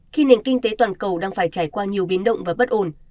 khi nền kinh tế toàn cầu đang phải trải qua nhiều biến động và bất ổn